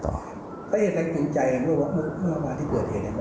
ถ้าเกิดอะไรกินใจว่าเมื่อมาที่เกิดเหตุ